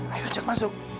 ayo ajak masuk